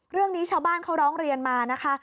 เรื่องนี้ชาวบ้านเขาร้องเรียนมานะคะ